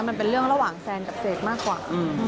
มันเป็นเรื่องระหว่างแซนกับเจดมากกว่า